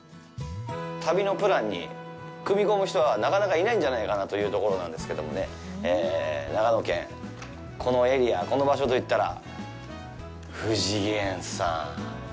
旅のプランに組み込む人はなかなかいないんじゃないかなというところなんですけどもね長野県、このエリア、この場所といったら、フジゲンさん。